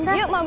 tiara ya tante